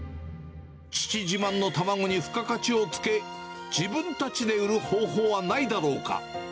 父自慢の卵に付加価値をつけ、自分たちで売る方法はないだろうか。